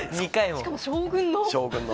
しかも将軍の？